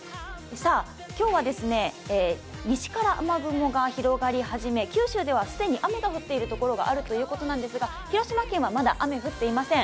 今日は西から雨雲が広がり始め、九州では既に雨が降っているところがあるということなんですが広島県はまだ雨、降っていません。